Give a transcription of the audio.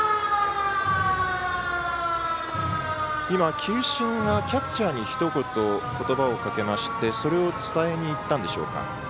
今、球審がキャッチャーにひと言ことばをかけましてそれを伝えに行ったんでしょうか。